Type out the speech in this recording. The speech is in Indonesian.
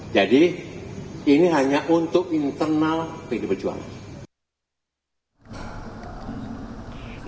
jadi ini hanya untuk internal pdip perjuangan